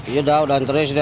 ya udah udah enteris